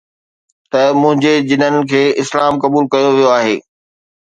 ته منهنجي جنن کي اسلام قبول ڪيو ويو آهي